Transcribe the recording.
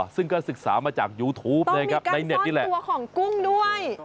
ซึ่งก็ศึกษามาจากยูทูปต้องมีการซ่อนตัวของกุ้งด้วย